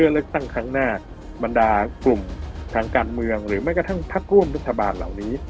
เลือกตั้งครั้งหน้าบรรดากลุ่มทางการเมืองหรือไม่กระทั่งพักร่วมรัฐบาลเหล่านี้